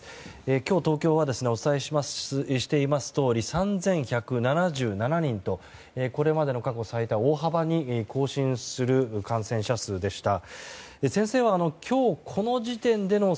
今日、東京はお伝えしていますとおり３１７７人とこれまでの過去最多を大幅に更新する感染者数でした。